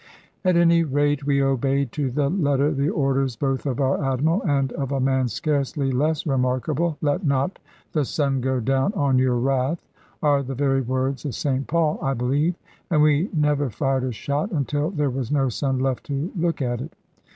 At any rate we obeyed to the letter the orders both of our Admiral and of a man scarcely less remarkable. "Let not the sun go down on your wrath," are the very words of St Paul, I believe; and we never fired a shot until there was no sun left to look at it.